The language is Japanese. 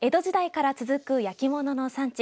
江戸時代から続く焼き物の産地